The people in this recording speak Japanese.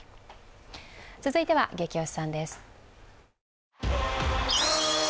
続いては「ゲキ推しさん」です。